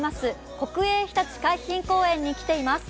国営ひたち海浜公園に来ています。